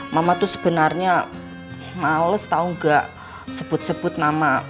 mama tuh sebenarnya males tau gak sebut sebut nama